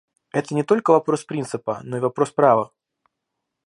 Это не только вопрос принципа, но и вопрос права.